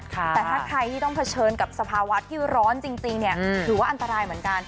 แต่ถ้าใครที่ต้องเผชิญกับสภาวะที่ร้อนจริงถือว่าอันตรายเหมือนกัน